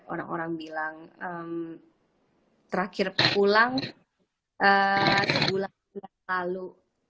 orang orang bilang terakhir pulang sebulan yang lalu